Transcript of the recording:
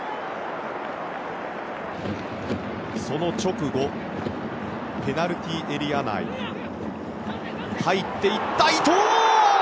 その直後ペナルティーエリア内入っていった伊東！